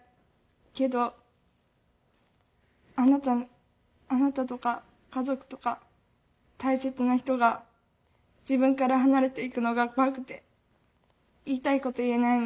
けどあなたあなたとか家族とか大切な人が自分から離れていくのが怖くて言いたいこと言えないの。